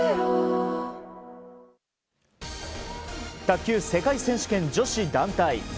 卓球世界選手権女子団体。